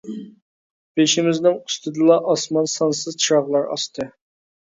بېشىمىزنىڭ ئۈستىدىلا ئاسمان سانسىز چىراغلار ئاستى.